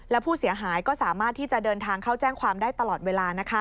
และผู้เสียหายก็สามารถที่จะเดินทางเข้าแจ้งความได้ตลอดเวลา